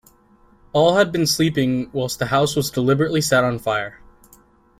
All had been sleeping whilst the house was deliberately set on fire.